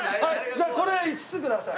じゃあこれ５つください。